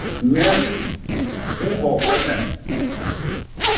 ññem u nhogbe me.